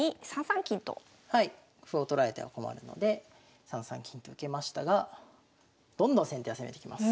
歩を取られては困るので３三金と受けましたがどんどん先手は攻めてきます。